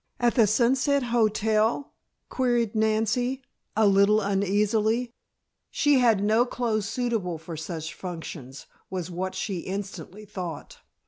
"At the Sunset Hotel?" queried Nancy, a little uneasily. She had no clothes suitable for such functions, was what she instantly thought.